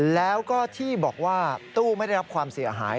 แล้วก็ที่บอกว่าตู้ไม่ได้รับความเสียหาย